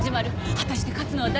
果たして勝つのは誰なのか？